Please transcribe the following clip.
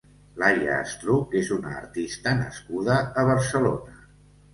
Laia Estruch és una artista nascuda a Barcelona.